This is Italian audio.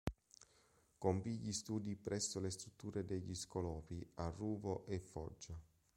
Compì gli studi presso le strutture degli Scolopi a Ruvo e Foggia.